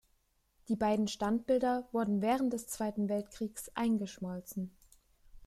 Die beiden Standbilder wurden während des Zweiten Weltkriegs eingeschmolzen.